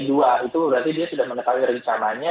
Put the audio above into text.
itu berarti dia sudah mengetahui rencananya